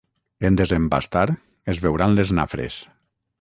En desembastar es veuran les nafres.